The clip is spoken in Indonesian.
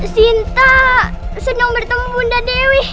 sinta senang bertemu bunda dewi